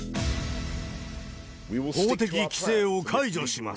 法的規制を解除します。